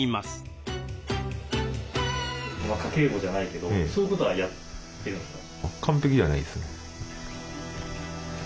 家計簿じゃないけどそういうことはやってるんですか？